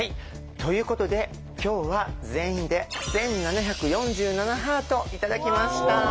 ということで今日は全員で１，７４７ハート頂きました。